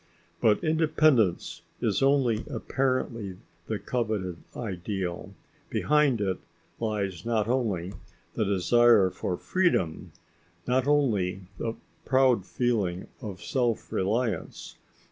But independence is only apparently the coveted ideal; behind it lies not only the desire for freedom, not only the proud feeling of self reliance.